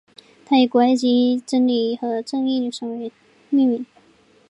它以古埃及真理和正义女神来命名。